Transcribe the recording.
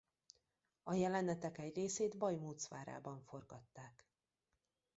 A jelenetek egy részét Bajmóc várában forgatták.